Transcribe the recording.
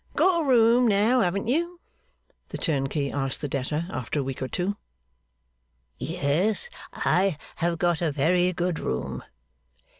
'Got a room now; haven't you?' the turnkey asked the debtor after a week or two. 'Yes, I have got a very good room.